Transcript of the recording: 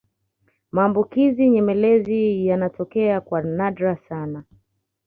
maambukizi nyemelezi yanatokea kwa nadra sana